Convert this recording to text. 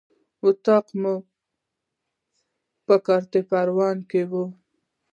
اطاق مو په پروان کارته کې و.